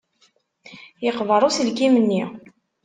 Yeqber uselkim-nni.